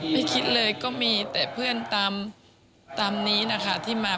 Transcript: ไม่คิดเลยก็มีแต่เพื่อนตามนี้นะคะที่มา